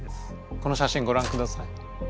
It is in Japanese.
この写真ごらんください。